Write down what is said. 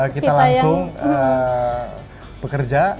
kita langsung bekerja